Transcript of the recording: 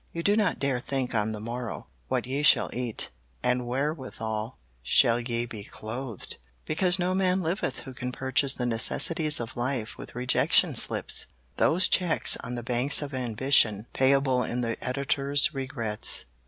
You do not dare think on the morrow, what ye shall eat, and wherewithal shall ye be clothed, because no man liveth who can purchase the necessities of life with rejection slips those checks on the Banks of Ambition, payable in the editors' regrets."